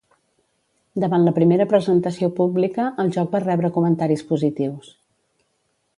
Davant la primera presentació pública, el joc va rebre comentaris positius.